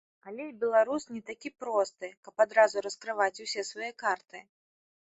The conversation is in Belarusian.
Але і беларус не такі просты, каб адразу раскрываць усе свае карты.